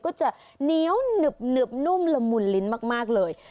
ก็จะเหนียวหนึบนุ่มละมุนลิ้นมากเลย